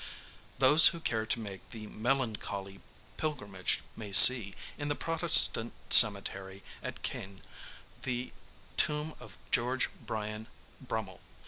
Those who care to make the melancholy pilgrimage may see, in the Protestant Cemetery at Caen, the tomb of George Bryan Brummell.